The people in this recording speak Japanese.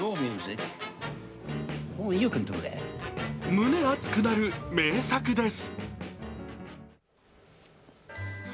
胸熱くなる名作です。